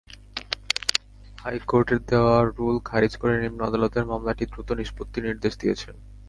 হাইকোর্টের দেওয়া রুল খারিজ করে নিম্ন আদালতের মামলাটি দ্রুত নিষ্পত্তির নির্দেশ দিয়েছেন।